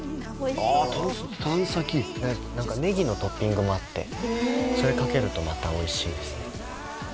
ああタン筋タン先ネギのトッピングもあってそれかけるとまたおいしいですね